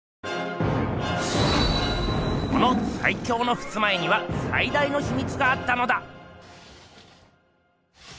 このさい強のふすま絵にはさい大のひみつがあったのだ！